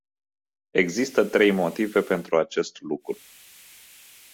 Există trei motive pentru acest lucru.